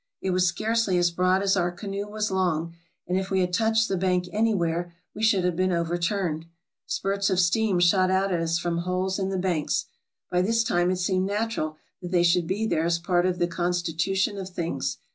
It was scarcely as broad as our canoe was long, and if we had touched the bank anywhere we should have been overturned. Spurts of steam shot out at us from holes in the banks. By this time it seemed natural that they should be there as part of the constitution of things.